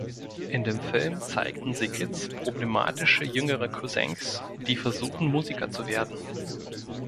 In dem Film zeigten sie Kids problematische jüngere Cousins, die versuchen, Musiker zu werden.